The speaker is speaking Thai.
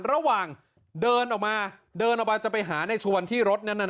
ระหว่างเดินออกมาเดินออกมาจะไปหาในชวนที่รถนั้น